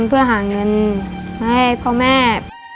คือหาเงินให้พ่อแม่